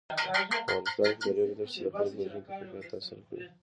په افغانستان کې د ریګ دښتې د خلکو د ژوند په کیفیت تاثیر کوي.